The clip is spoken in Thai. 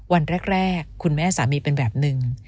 วันแรกคุณแม่สามีเป็นแบบหนึ่ง